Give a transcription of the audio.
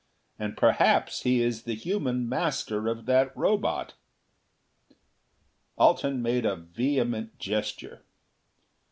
And perhaps he is the human master of that Robot." Alten made a vehement gesture.